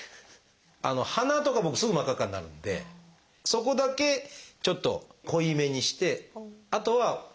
あの鼻とか僕すぐ真っ赤っかになるんでそこだけちょっと濃いめにしてあとはのばします。